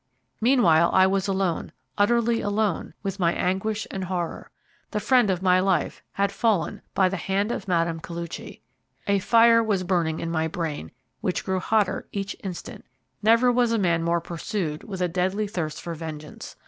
Meanwhile I was alone, utterly alone, with my anguish and horror. The friend of my life had fallen by the hand of Mme. Koluchy. A fire was burning in my brain, which grew hotter each instant. Never was man more pursued with a deadly thirst for vengeance.